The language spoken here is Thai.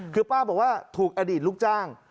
คือป้าบอกว่าถูกอดีตลูกจ้าง